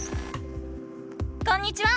こんにちは！